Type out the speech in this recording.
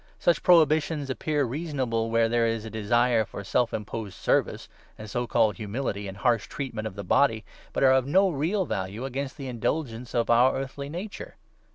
Such prohibitions appear reasonable where 23 there is a desire for self imposed service, and so called ' humility,' and harsh treatment of the body, but are of no real value against the indulgence of our earthly nature.